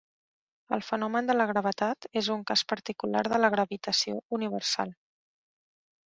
El fenomen de la gravetat és un cas particular de la gravitació universal.